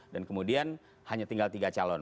dan kemudian hanya tinggal tiga calon